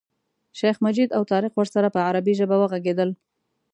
شیخ مجید او طارق ورسره په عربي ژبه وغږېدل.